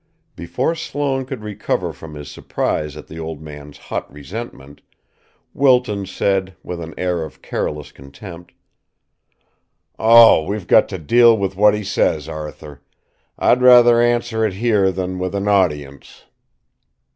Before Sloane could recover from his surprise at the old man's hot resentment, Wilton said, with an air of careless contempt: "Oh, we've got to deal with what he says, Arthur. I'd rather answer it here than with an audience."